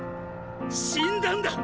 死んだんだっ！